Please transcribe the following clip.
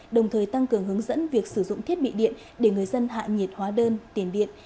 đồng thời tăng cường hướng dẫn việc sử dụng thiết bị điện để người dân hạ nhiệt hóa đơn tiền điện